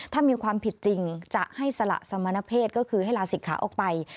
ถ้ามีความผิดจริงจะให้สละสมณเพศก็คือให้ลาศิกขาออกไป